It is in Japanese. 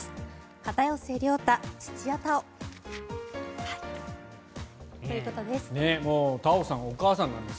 片寄涼太、土屋太鳳ということです。